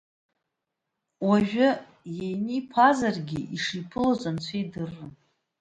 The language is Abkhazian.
Уажәы Иениԥазаргьы ишиԥылоз Анцәа идыррын.